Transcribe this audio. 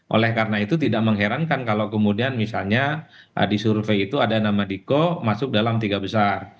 oleh karena itu tidak mengherankan kalau kemudian misalnya di survei itu ada nama diko masuk dalam tiga besar